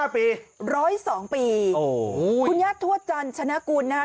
๑๐๕ปี๑๐๒ปีคุณยายทวดจันทร์ชนะกุลนะครับ